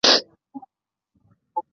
鲁宾逊出生于布拉德福德。